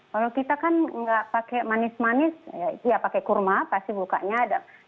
kalau kita kan nggak pakai manis manis ya pakai kurma pasti bukanya ada